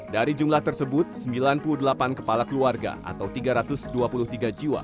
dari jumlah tersebut sembilan puluh delapan kepala keluarga atau tiga ratus dua puluh tiga jiwa